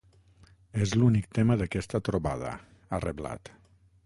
És l’únic tema d’aquesta trobada, ha reblat.